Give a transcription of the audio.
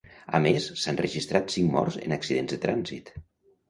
A més, s'han registrat cinc morts en accidents de trànsit.